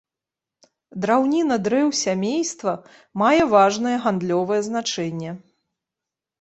Драўніна дрэў сямейства мае важнае гандлёвае значэнне.